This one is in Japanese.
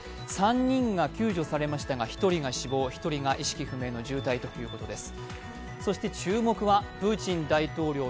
３人が救助されましたが１人が死亡、１人が意識不明の重体ということです。